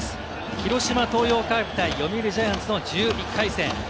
広島東洋カープ対読売ジャイアンツの１１回戦。